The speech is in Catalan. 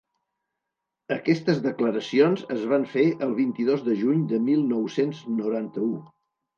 Aquestes declaracions es van fer el vint-i-dos de juny del mil nou-cents noranta-u.